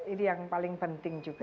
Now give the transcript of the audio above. ini yang paling penting juga